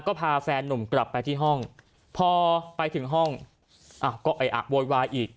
ก็พาแฟนนุ่มกลับไปที่ห้องพอไปถึงห้องก็ไออะโวยวายอีก